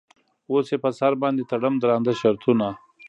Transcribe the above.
اوس یې په سر باندې تړم درانده شرطونه.